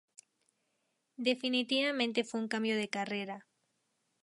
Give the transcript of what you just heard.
Definitivamente fue un cambio de carrera.